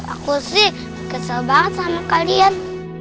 aku sih kesel banget sama kalian